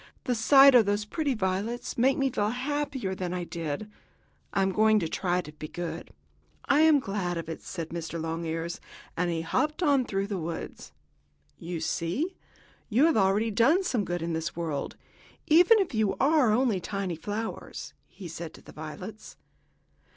The sight of those pretty violets makes me feel happier than I did. I am going to try to be good." "I am glad of it," said Mr. Longears, as he hopped on through the woods. "You see, you have already done some good in this world, even if you are only tiny flowers," he said to the violets.